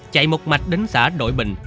chạy một mạch đến xã đội bình